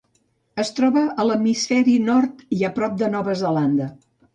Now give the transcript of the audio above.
Es troba a l'hemisferi nord i a prop de Nova Zelanda.